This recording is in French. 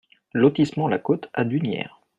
Lotissement La Côte à Dunières